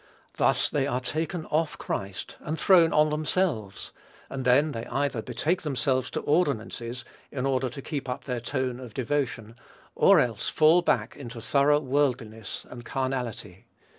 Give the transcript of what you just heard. Thus they are taken off Christ and thrown on themselves, and then they either betake themselves to ordinances in order to keep up their tone of devotion, or else fall back into thorough worldliness and carnality.